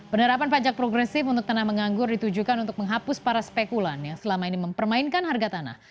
penerapan pajak progresif untuk tanah menganggur ditujukan untuk menghapus para spekulan yang selama ini mempermainkan harga tanah